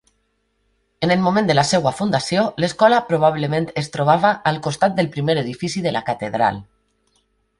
En el moment de la seva fundació, l'escola probablement es trobava al costat del primer edifici de la catedral.